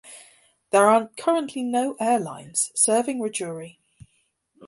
There are currently no airlines serving Rajouri.